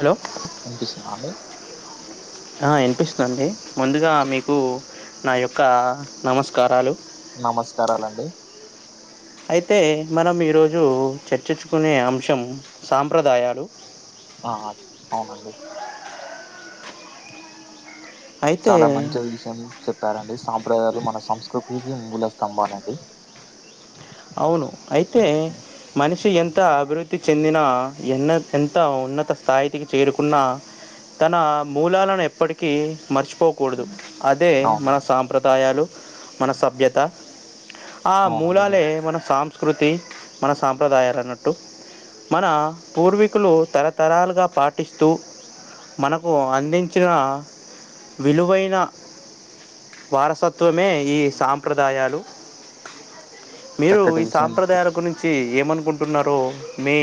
Hello వినిపిస్తుందా అండి ఆ వినిపిస్తుండి ముందుగా మీకు నా యొక్క నమస్కారాలు నమస్కారాలండి అయితే మనం ఈరోజు చర్చించుకునే అంశం సాంప్రదాయాలు ఆ అవునండి అయితే చాలా మంచి విషయం చెప్పారండి సాంప్రదాయాలు మన సంస్కృతికి మూల స్తంభం అనేది అవును అయితే మనిషి ఎంత ఎంత అభివృద్ధి చెందిన ఎన్న ఎంత ఉన్నత స్థాయితికి చేరుకున్నా తన మూలాలను ఎప్పటికీ మర్చిపోకూడదు అదే అవును మన సాంప్రదాయాలు మన సభ్యత ఆ అవునండి ని- మూలాలే సాస్కృతి మన సాంప్రదాయాలు అన్నట్టు మన పూర్వీకులు తరతరాలుగా పాటిస్తూ మనకు అందించిన విలువైన వారసత్వమే ఈ సాంప్రదాయాలు మీరు చక్కటి ఈ విషయం చెప్- సాంప్రదాయాల గురించి ఏమనుకుంటున్నారో మీ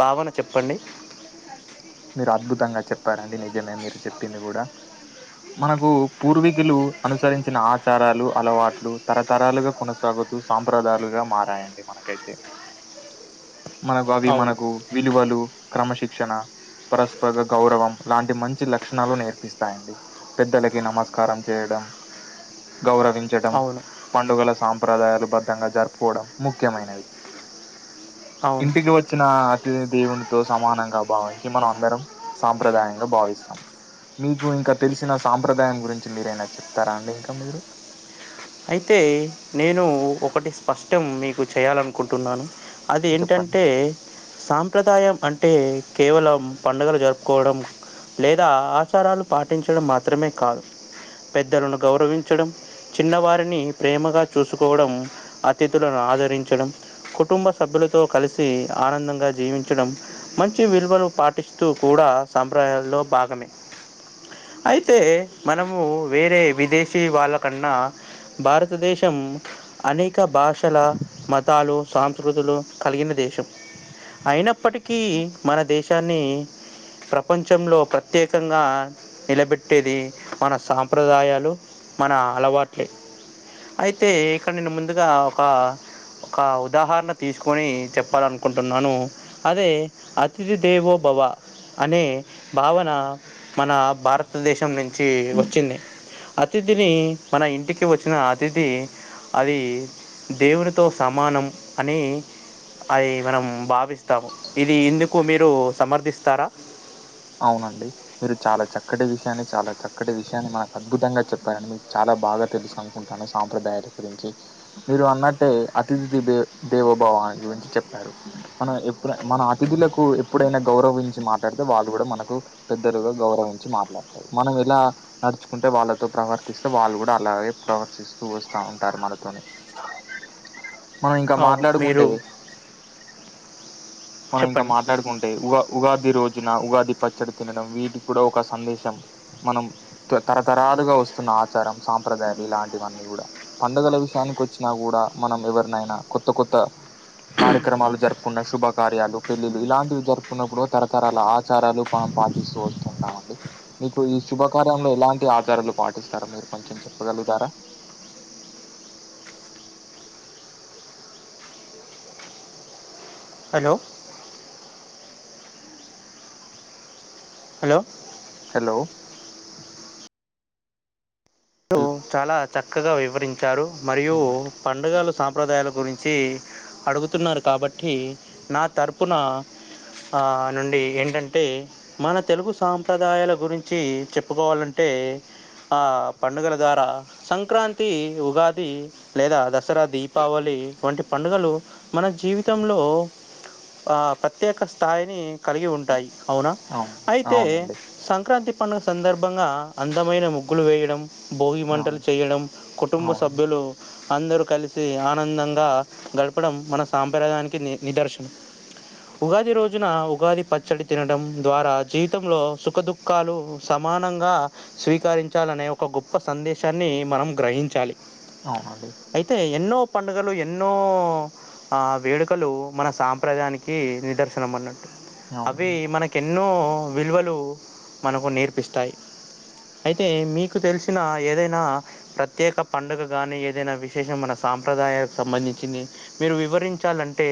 భావన చెప్పండి మీరు అద్భుతంగా చెప్పారండి నిజమే మీరు చెప్పింది కూడా మనకు పూర్వీకులు అనుసరించిన ఆచారాలు అలవాట్లు తరతరాలుగా కొనసాగ సాంప్రదాలుగా మారాయండి మనకైతే మనకు అవి అవును మనకు విలువలు క్రమశిక్షణ పరస్పర గౌరవం లాంటి మంచి లక్షణాలు నేర్పిస్తాయండి పెద్దలకి నమస్కారం చేయడం గౌరవించడం అవును పండుగల సాంప్రదాయాలు బధంగా జరుపుకోవడం ముఖ్యమైనవి అవును ఇంటికి వచ్చిన అతి దేవుని తో సమానంగా భావించి మనం అందరం సాంప్రదాయంగా భావిస్తాం మీకు ఇంకా తెలిసిన సాంప్రదాయం గురించి మీరైనా చెప్తారా అండి ఇంకా మీరు అయితే నేను ఒకటి స్పష్టం మీకు చేయాలనుకుంటున్నాను అది చెప్పండి ఏంటంటే సాంప్రదాయం అంటే అంటే కేవలం పండుగలు జరుపుకోవడం లేదా ఆచారాలు పాటించడం మాత్రమే కాదు పెద్దలను గౌరవించడం, చిన్నవారిని ప్రేమగా చూసుకోవడం, అతిథులను ఆదరించడం కుటుంబ సభ్యులతో కలిసి ఆనందంగా జీవించడం మంచి విలువలు పాటిస్తూ కూడా డా సంప్రదయాల్లో భాగమే అయితే మనము వేరే విదేశీ వాళ్ళకన్నా భారతదేశం అనేక భాషల మతాలు, సంస్కృతులు కల్ గిన దేశం అయినప్పటి కీ మన దేశాన్ని ప్రపంచంలో ప్రత్యేకంగా నిలబెట్టేది మన సాంప్రదాయాలు మన అలవాట్లే అయితే ఇక్కడ్ నేను ముందుగా ఒకా ఒక ఉదాహరణ తీస్కొని చెప్పాలనుకుంటున్నాను. అదే అతిథి దేవో భవ అనే భావన మన భారతదేశం నుం చి వచ్చింది. అతిథిని మన ఇంటికి వచ్చిన అతిథి అది దేవునితో సమానం అనీ అని మనం భావిస్తాము. ఇది ఇందుకు మీరు సమర్థిస్తారా? అవునండి మీరు చాలా చక్కటి విషయాన్ని చాలా చక్కటి విషయాన్ని మాకు అద్భుతంగా చెప్పారండి మీరు చాలా బాగా తెలుసు అనుకుంటాను సాంప్రదాయాల గురించి మీరు అన్నట్టే అతిథి దేబే దేవభవ గురించి చెప్పారు. మన ఎప్పు మన అతిథులకు ఎప్పుడైనా గౌరవించి మాట్లాడితే వాళ్ గుడ మనకు పెద్దలుగా గౌరవించి మాట్లాడతారు. మనం ఎలా నడుచుకుంటే వాళ్ళతో ప్రవర్తిస్తే వా వాళ్ళు గుడా అలాగే ప్రవర్తిస్తూ వస్తా ఉంటారు మనతోని మనం ఇంకా అవును మాట్లాడుకుంటే మీరు మనం ఇంకా చెప్పండి మాట్లాడుకుంటే ఉగా ఉగాది రోజున ఉగాది ప పచ్చడి తినడం వీటిక్ గుడా ఒక సందేశం మనం తరతరాలుగా వస్తున్న ఆచారం, సాంప్రదాయాలు ఇలాంటివన్నీ గుడ పండుగల విషయా నిక్ వచ్చినా గూడా మనం ఎవరినైనా కొత్త కొత్త కార్యక్రమాలు జరుపుకున్న శుభ కార్యాలు, పెళ్ళిళ్లు ఇలాంటివి జరుపుకున్నప్పుడు తరతరాల ఆచారాలు మనం పాటిస్తూ వస్తూ ఉంటాం అండి. మీకు ఈ శుభకార్యంలో ఎలాంటి ఆచారాలు పాటిస్తారో మీరు కొంచం చెప్పగలుగుతారా? హలో! హలో! హలో! హల్ చాలా చక్కగా వివరించారు మరియు అవునండి పండుగలు సాంప్రదాయాల గురించి అడుగుతున్నారు కాబట్టి నా తర్పునా ఆ నుండి ఏంటంటే మన తెలుగు సాంప్రదాయాల గురించి చెప్పుకోవాలంటే టే ఆ పండుగల ద్వారా సంక్రాంతి, ఉగాది లేదా దసరా దీపావళి వంటి పం పండుగలు మన జీవితంలో ఆ ప్రత్యేక స్థాయిని కలిగి ఉంటాయి అవునా అవును అయితే అవునండి సంక్రాంతి పడుగ సందర్ ర్భంగా అందమైన ముగ్గులు వేయడం, భోగి మంటలు అవును చేయడం, కుటుంబ అవునండి సభ్యులు అందరూ కల్సి ఆనందంగా గడపడం మన సాంప్రదాయానికి ని నిదర్శనం. ఉగాది రోజున ఉగాది పచ్చడి తినడం ద్వారా జీవితంలో సుఖ దుఃఖాలు సం మానంగా స్వీకరించాలనే ఒక గొప్ప సందేశాన్ని మనం గ్రహించాలి. అవునండి అయితే ఎన్నో పండుగలు ఎన్నో ఆ వేడుకలు మన సాంప్రదాయానికి నిదర్శనం అన్నట్టు అవి అవునండి మనకి ఎన్ ఎన్నో విలువలు మనకు నేర్పిస్తాయి అయితే మీ తెలిసిన ఏదైనా ప్రత్యేక పండుగ గాని ఏదైనా విశేషం మన సాంప్రదాయాలకు సంబంధించి చ్చింది మీరు వివరించాలంటే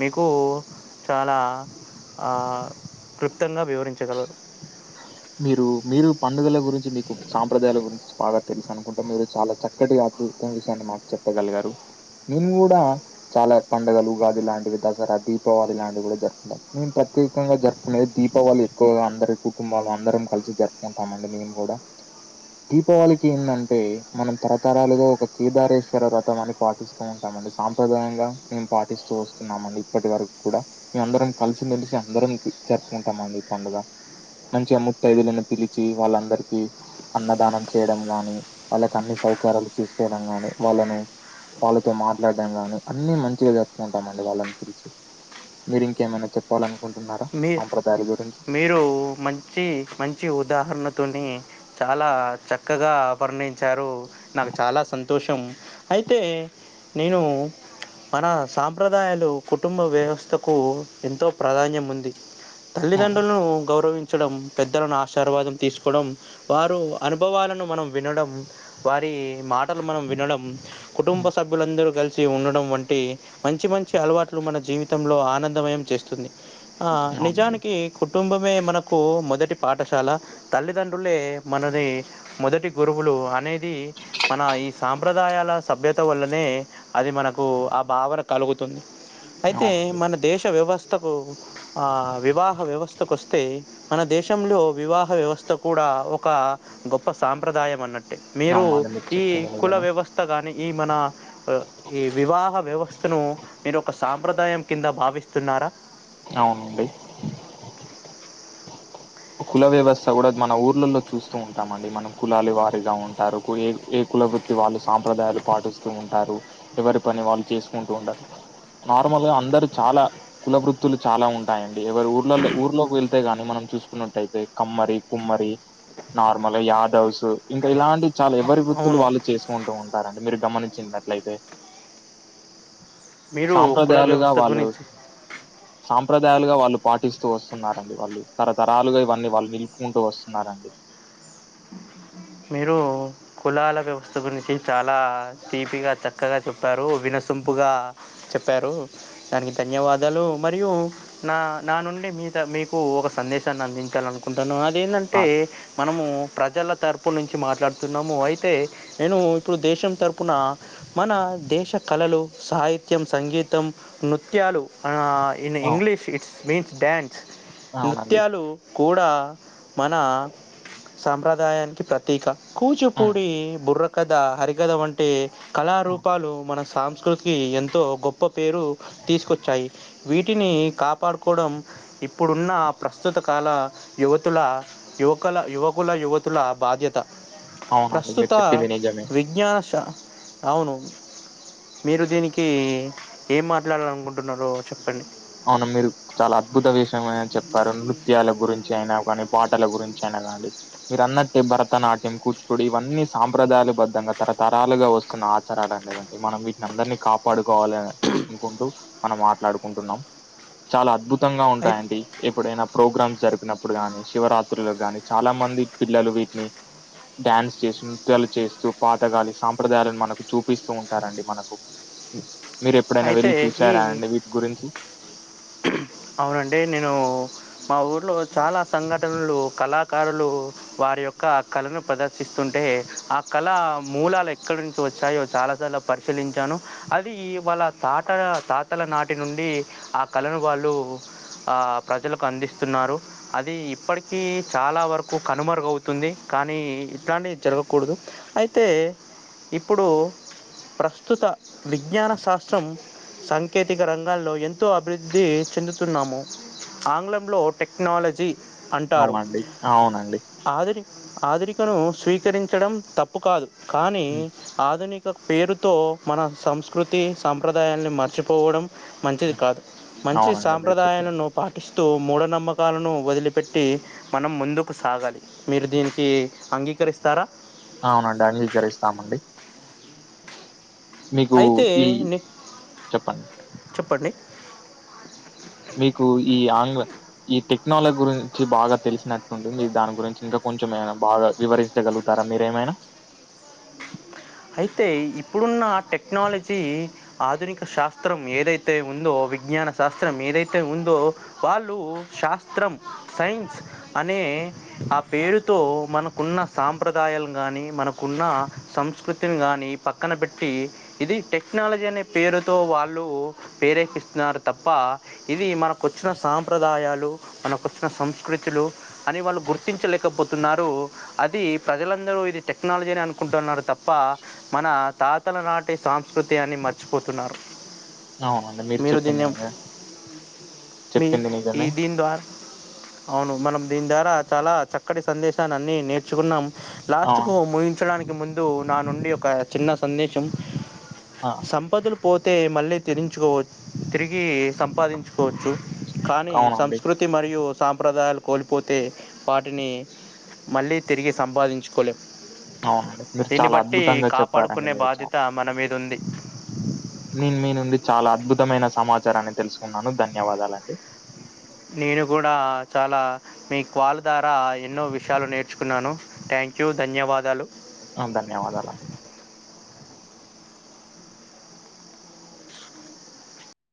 మీకు చాలా ఆ క్లుప్తంగా వివర మీరు మీరు పండుగల గురించి మీ సాంప్రదాయాల గురించి బాగా తెలుసు అనుకుంటా మీరు చాలా చక్కటిగా అద్భుతం విషయాన్ని మాకు చెప్పగలిగారు. నేను కూడా చాలా పండుగలు ఉగాది లాంటివి దసరా దీపావళి లాంటివి కూడా జరుగుకుంటాం. నేను ప్ర ప్రత్యేకంగా జరుగుతున్నాయి దీపావళి ఎక్కువగా అందరి కుటుంబాలు అందరం కలిసి జరుపుకుంటామ అండి మేము కూడా దీపావళికి ఏందంటే మనం తరతరాలుగా ఒక కేదారేశ్వర వ్రతం అని పాటిస్తూ ఉంటాం. సాంప్రదాయంగా మేము పాటిస్తూ వస్తున్నామ అండి. ఇప్పటి వరకు కూడా మే అందరం కలిసిమెలిసి అందరం జరుపుకుంటామండి. ఈ పండుగ మంచిగా ముత్తైదులను పిలిచి వాళ్ళందరికీ అన్నదానం చేయడం గాని వాళ్ళకి అన్ని సౌకర్యాలు చూసుకోవడం గాని వాళ్ళను వాళ్ళతో మాట్లాడం కాని అన్ని మంచిగా జరుపుకుంటామ అండి. వాళ్ళని గురించి మీరు ఇంకేమైనా చెప్పాలి అనుకుంటున్నారా మీ సాంప్రదాయాల గురించి మీరు మంచి మంచి ఉదాహరణతోని చాలా చక్కగా వర్ణి ఇచ్చారు నాకు చాలా సంతోషం అయితే నేను మన సాంప్రదాయాలు కుటుంబ వ్యవస్థకు ఎంతో ప్రాధాన్యం ఉంది. అవును. తల్లిదండ్రులను గౌరవించ్ చడం పెద్దలను ఆశీర్వాదం తీసుకోవడం వారు అనుభవాలను మనం వినడం వారి ఈ మాటలు మనం వినడం కుటుంబ హ్మ్. సభ్యులందరూ కలిసి ఉండడం వంటి మంచి మంచి అలవాట్లు మన జీవితంలో ఆనందమయం చేస్తుంది. ఆ అవునండి. నిజానికి కుట్ కుటుంబమే మనకు మొదటి పాఠశాల తల్లిదండ్రులే మనది మొదటి గురువులు. అనేది మన ఈ సాంప్రదాయాల సభ్యత వల్లనే అది మనకు భా కలుగుతుంది అయితే అవునండి. మన దేశ వ్యవస్థకు ఆ వివాహ వ్యవస్థకు వస్తే మన దేశంలో వివాహ వ్యవస్థ కూడా ఒక గొప్ప సాంప్రదాయం అన్నట్టే మీరు అవునండి. ఈ చెప్పింది కుల నిజమే. వ్యవస్థ కానీ ఈ మన ఈ వివాహ వ్యవస్థను మీరు ఒక సాంప్రదాయం కింద భావిస్తున్నా అవునండి కుల వ్యవస్థ కూడా మన ఊర్లలో చూస్తూ ఉంటాంమండి. మనం కులాల వారిగా ఉంటారు ఏ ఏ కుల ప్రభృత్తి వాళ్ళు సాంప్రదాయాలు పాటిస్తూ ఉంటారు. ఎవరి పని వాళ్ళు చేసుకుంటూ ఉంటారు. నార్మల్ గా అందరు చాలా కుల వృత్తులు చాలా ఉంటాయండి. ఎవరు ఊర్లల్లో ఊర్లోకి వెళ్తే గాని మనం చూసుకున్న. యితే కమ్మరి కుమ్మరి నార్మల్గా యాదవ్స్ ఇంకా ఇలాంటి చాలు ఎవరి వృత్తులు అవును వాళ్ళు చేసుకుంటూ ఉంటారండి. మీరు గమనించినట్లయితే మీరు కుల సాంప్రదాయాలుగా వ్యవస్థ వాళ్ళు గురించి సాం సాంప్రదాయాలుగా వాళ్ళు పాటిస్తూ వస్తున్నారండి వాళ్ళు తరతరాలుగా ఇవన్నీ వాళ్ళు నిలుపుకుంటూ వస్తున్నారండి. మీరు కులాల వ్యవస్థ గురించి చాలా తీపిగా చక్కగా చెప్పారు. విన సంపుగా చెప్పారు దానికి ధన్యవాదాలు మరియు నా నా నుండి మీ మీకు ఒక సందేశాన్ని అందించాలనుకుంటాను. ఆ, అదేందంటే మనము ప్రజల తరప్ అప్పు నుంచి మాట్లాడుతున్నాము అయితే నేను ఇప్పుడు దేశం తరఫున మన దేశ కళ సాహిత్యం సంగీతం నృత్యాలు ఇన్ అవు- ఇంగ్లీష్ ఇట్స్ మీన్స్ డ్యాన్స్ అవునండి నృత్యాలు కూడా మన సంప్రదాయానికి ప్రతక ఉమ్, కూచిపూడి బుర్ర కథ హరికథ వంటి ఉమ్, కళారూపాలు మన సాస్కృతికి ఎంతో గొప్ప పేరు తీసుకొచ్చాయి వీటిని కాపాడుకోవడం ఇప్పుడున్న ప్రస్తుత కాల యువతుల యువకుల యువకుల యువతుల బాధ్యత అవునండి మీరు ప్రస్తుత చెప్పింది నిజమే విజ్ఞాన శ అవును మీరు దీనికి ఏం మాట్లాడాలనుకుంటున్నారో చెప్పండి అవును మీరు చాలా అద్భుత విషయని చెప్పారు నృత్యాల గురించి అయినా కానీ పాటల గురించి అయినా కానీ మీరు అన్నట్టే భరతనాట్యం కూచిపూడి ఇవన్నీ సాంప్రదాయ పద్ధంగా తరతరాలుగా వస్తున్న ఆచారాలనేవండి మనం వీటిని అందరినీ కాపాడుకోవాలిని అనుకుంట మనం మాట్లాడుకుంటున్నాం చాలా అద్భుతంగా అయి ఉంటాయిడి ఎప్పుడైనా ప్రోగ్రామ్స్ జరిపినప్పుడు గాని శివరాత్రులు గానీ చాలా మంది పిల్లలు వీటిని డ్యాన్స్ చేస్త నృత్యాలు చేస్తూ పాతగాలి సాంప్రదాయాలను మనకు చూపిస్తూ ఉంటారండి మనకు మీరు ఎప్పుడైనా అయితే వెళ్ళి చూసారా ఈ అండి వీటి గురించి అవునండి నేను మా ఊర్లో చాలా సంఘటనలు కళాకారులు వారి యొక్క కళను ప్రదర్శిస్తుంటే ఆ కళ మూలాలు ఎక్కడ నుంచి వచ్చాయో చాలా సరాలు పరిశీలించాను అది వాళ్ళ తాతల తాతల నాటి నుండి ఆ కళలను వాళ్ళు ఆ ప్రజలకు అందిస్తున్నారు అది ఇప్పటికీ చాలా వరకు కనుమరుగవుతుంది కానీ ఇట్లాంటి జరగకూడదు అయితే ఇప్పుడు ప్రస్తుత విజ్ఞాన శాస్త్రం సాంకేతిక రంగాల్లో ఎంతో అభివృద్ధి చెందుతున్నాము ఆంగ్లంలో టెక్నాలజీ అంటారు అవునండి అవునండి ఆధుని ఆధునికను స్వీకరించడం తప్పు కాదు కానీ హ్మ్. ఆధునిక ఒక పేరుతో మన సంస్కృతి సాంప్రదాయాలని మర్చిపోవడం మంచిది హ్మ్. కాదు మంచి అవునండి. మీరు సాంప్రదాయాను చెప్పింది. నువ్వు పాటిస్త మూఢ నమ్మకాలను వదిలిపెట్టి మనం ముందుకు సాగాలి మీరు దీనికి అంగ స్వీకరిస్తారా అవునండి. అంగీకరిస్తామండి. మీకు అయితే ఈ ని చెప్పండి. చెప్పండి మీకు ఈ ఆంగ్ల ఈ టెక్నాలజీ గురించి బాగా తెలిసినట్టుంటుంది దాని గురించి ఇంకా కొంచెం ఏమనా బాగా వివరించగలుగుతా రా మీరేమైనా అయితే ఇప్పుడున్న టెక్నాలజీ ఆధునిక శాస్త్రం ఏదైతే ఉందో విజ్ఞాన శాస్త్రం ఏదైతే ఉందో వాళ్ళు శాస్త్రం సైన్స్ అనే ఆ పేరుతో మనకున్న సాంప్రదాయాలు కానీ మనకున్న సంస్కృతి గాని పక్కన పెట్టి ఇది టెక్నాలజీ అనే పేరుతో వాళ్ళు ప్రేరేపిస్తున్నారు తప్ప ఇది మనకు వచ్చిన సాంప్రదాయాలు మనకు వచ్చిన సంస్కృతులు అని వాళ్ళు గుర్తించలేకపోతున్నారు అది ప్రజలందరూ ఇది టెక్నాలజీ అని అనుకుంటున్నారు తప్ప మన తాతల నాటి సంస్కృతి అన్ని మర్చిపోతున్నారు అవునండి మీరు చెప్పిందీ నిజమే మీ చెప్పింది ఈ నిజమే. దీని ద్వారా అవును మనం దీని ద్వారా చాలా చక్కటి సందేశాన్ని అన్ని నేర్చుకున్నాం లాస్ట్ కు అవును. ముగించడానికి ముందు నా నుండి ఒక చిన్న సందేశం ఆ! సంపతులు పోతే మళ్ళీ తరించుకోవచ్చు తిరిగి సంపాదించు కోవచ్చు కానీ అవునండి. సంస్కృతి మరియు సాంప్రదాయాలు కోల్పోతే వాటిని మళ్ళీ తిరిగి సంపాదించుకోలేం అవునండి మీరు దీన్ని చాలా బట్టి అద్భుతంగా చెప్పారండి కాపాడుకునే మీరు బాధ్యత చాలా. మన మీద ఉంది నేను మీ నుండి చాలా అద్భుతమైన సమాచారాన్ని తెలుసుకున్నాను ధన్యవాదాలండి నేను కూడా చాలా మీ కాల్ ద్వారా ఎన్నో విషయాలు నేర్చుకున్నాను థ్యాంక్ థ్యాంక్ యూ ధన్యవాదాలు ఆ ధన్యవాదాలు